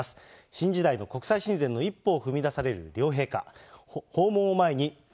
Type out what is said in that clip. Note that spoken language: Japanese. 新時代の国際親善の一歩を踏み出される両陛下。